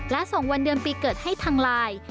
และส่งวันเดือนปีเกิดให้ทางไลน์